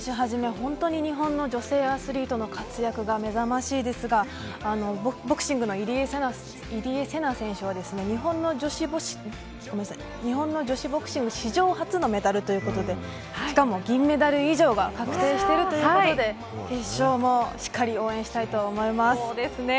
本当に日本の女性アスリートの活躍が目覚ましいですがボクシングの入江聖奈選手は日本の女子ボクシング史上初のメダルということでしかも銀メダル以上が確定しているということで決勝もしっかり応援したいと思います。